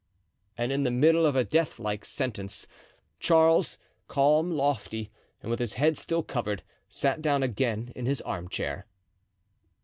And in the middle of a deathlike silence, Charles, calm, lofty, and with his head still covered, sat down again in his arm chair.